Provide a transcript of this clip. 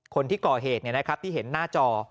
คนที่ก่อเหตุเนี่ยนะครับที่เห็นหน้าจอ